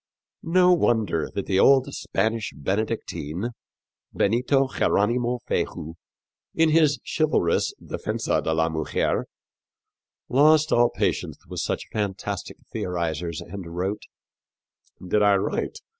No wonder that the old Spanish Benedictine, Benito Jeronimo Feijoo, in his chivalrous Defensa de la Mujer, lost all patience with such fantastic theorizers and wrote: "Did I write